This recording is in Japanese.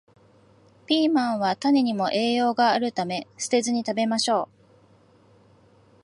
ピーマンは種にも栄養があるため、捨てずに食べましょう